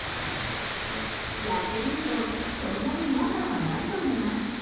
やってみると、そんなに違和感はないといいます。